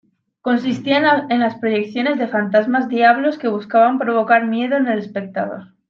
Consistía en las proyecciones de fantasmas diablos que buscaban provocar miedo en el espectador.